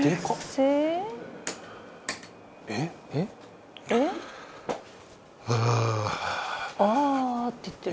松本：ああーって言ってる。